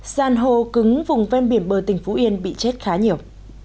san hô cứng vùng ven biển bờ tỉnh phú yên bị chết khá nhiều